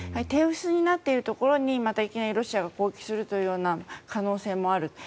手薄になっているところにまたいきなりロシアが攻撃するというような可能性もある。